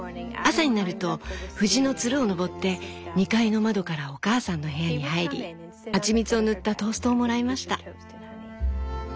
朝になると藤のつるを登って２階の窓からお母さんの部屋に入り蜂蜜を塗ったトーストをもらいました」。